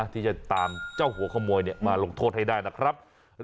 ที่จะตามเจ้าหัวขโมยมาลงโทษให้ได้นะครับ